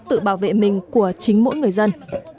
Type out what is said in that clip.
tự bảo vệ mình của chính mỗi người dân